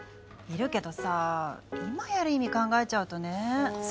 いるけどさぁ今やる意味考えちゃうとね。